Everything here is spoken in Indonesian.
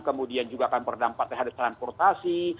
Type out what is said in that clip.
kemudian juga akan berdampak terhadap transportasi